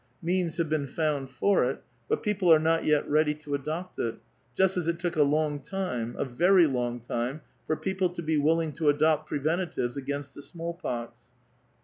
^eans have been found for it ; but people are not yet ready ^ adopt it, just as it took a long time, a very long time, fi)r people to be willing to adopt preventatives against the 8mall pox.